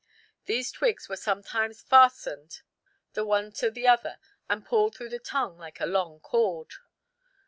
These twigs were sometimes fastened the one to the other and pulled through the tongue like a long cord."